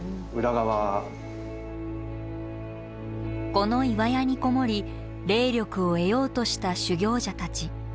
この岩屋に籠もり霊力を得ようとした修行者たち。